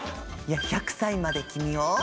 「１００歳まで君を」